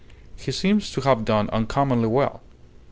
He seems to have done uncommonly well.